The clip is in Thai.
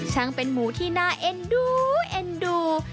เป็นหมูที่น่าเอ็นดูเอ็นดู